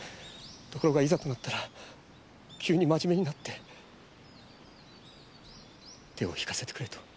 ところがいざとなったら急に真面目になって手を引かせてくれと。